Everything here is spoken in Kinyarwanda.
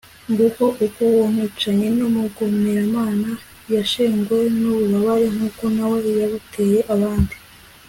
nguko uko uwo mwicanyi n'umugomeramana yashenguwe n'ububabare nk'uko na we yabuteye abandi